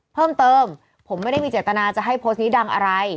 เพิ่มเติมผมไม่ได้มีเจตนาจะให้โพสต์นี้ดังอะไร